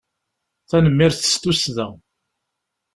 Tanemmirt s tussda.